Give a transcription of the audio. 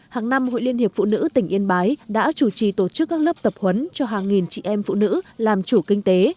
hàng năm hội liên hiệp phụ nữ tỉnh yên bái đã chủ trì tổ chức các lớp tập huấn cho hàng nghìn chị em phụ nữ làm chủ kinh tế